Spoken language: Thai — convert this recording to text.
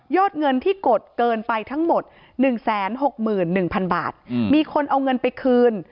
เงินที่กดเกินไปทั้งหมด๑๖๑๐๐๐บาทมีคนเอาเงินไปคืน